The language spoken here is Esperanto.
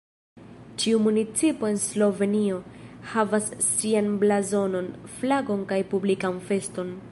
Ĉiu municipo en Slovenio havas sian blazonon, flagon kaj publikan feston.